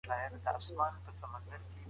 ولي ډیموکراتیکي ټاکني په نړیواله کچه ارزښت لري؟